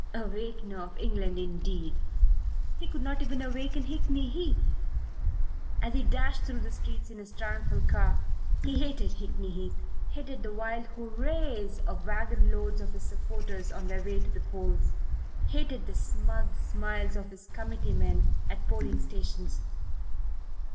Awakener of England indeed! He could not even awaken Hickney Heath. As he dashed through the streets in his triumphal car, he hated Hickney Heath, hated the wild "hoorays" of waggon loads of his supporters on their way to the polls, hated the smug smiles of his committee men at polling stations.